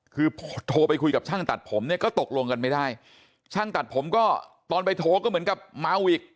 คือโทรไปคุยกับช่างตัดผมเนี่ยก็ตกลงกันไม่ได้ช่างตัดผมก็ตอนไปโทรก็เหมือนกับเมาอีก